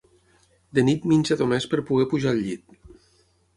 De nit menja només per poder pujar al llit.